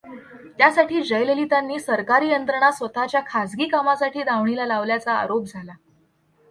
त्यासाठी जयललितांनी सरकारी यंत्रणा स्वतःच्या खाजगी कामासाठी दावणीला लावल्याचा आरोप झाला.